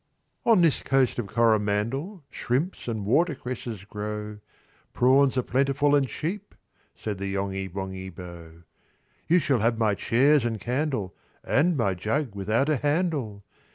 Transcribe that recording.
"On this Coast of Coromandel, "Shrimps and watercresses grow, "Prawns are plentiful and cheap." Said the Yonghy Bonghy Bò, "You shall have my chairs and candle, "And my jug without a handle!